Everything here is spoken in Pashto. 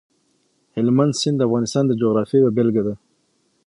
هلمند سیند د افغانستان د جغرافیې یوه بېلګه ده.